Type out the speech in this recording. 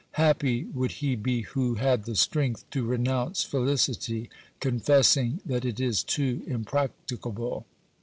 Happy would he be who had the strength to renounce felicity, confessing that it is too impracticable.